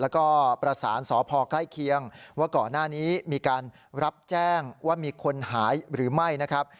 แล้วก็ประสานสพใกล้เคียงว่าก่อนหน้านี้มีการรับแจ้งว่ามีคนหายหรือไม่นะครับ